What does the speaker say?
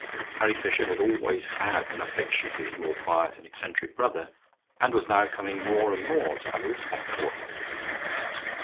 Harry Fisher had always had an affection for his more quiet and eccentric brother, and was now coming more and more to have a respect for him.